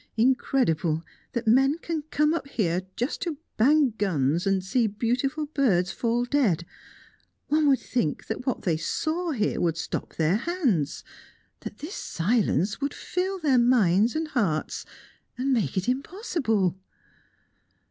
"Incredible that men can come up here just to bang guns and see beautiful birds fall dead! One would think that what they saw here would stop their hands that this silence would fill their minds and hearts, and make it impossible!"